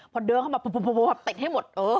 พอเดินเข้ามาปุ๊บติดให้หมด